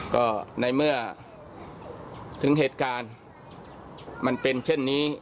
ก็ในเมื่อถึงเหตุการณ์มันเป็นเช่นนี้